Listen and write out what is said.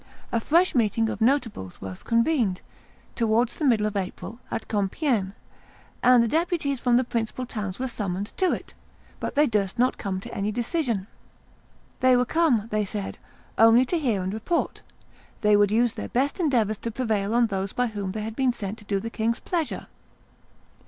A fresh meeting of notables was convened, towards the middle of April, at Compiegne, and the deputies from the principal towns were summoned to it; but they durst not come to any decision: "They were come," they said, "only to hear and report; they would use their best endeavors to prevail on those by whom they had been sent to do the king's pleasure."